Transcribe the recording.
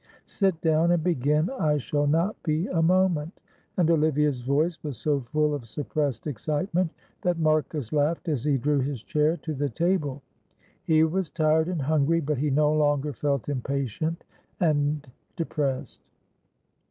Sit down and begin, I shall not be a moment," and Olivia's voice was so full of suppressed excitement, that Marcus laughed as he drew his chair to the table; he was tired and hungry, but he no longer felt impatient and depressed.